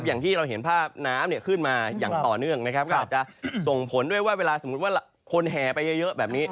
อย่างที่เราเห็นภาพน้ำขึ้นมาอย่างต่อเนื่องแล้วก็อาจจะส่งผลด้วยตัวอย่างว่าคนแหไปเยอะแบบนี้